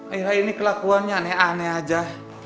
akhirnya ini kelakuannya aneh aneh aja